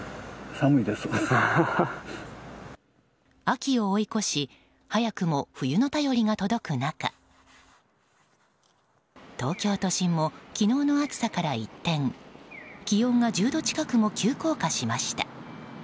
秋を追い越し早くも冬の便りが届く中東京都心も、昨日の暑さから一転気温が１０度近くも急降下しました。